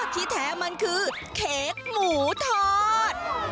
ที่แท้มันคือเค้กหมูทอด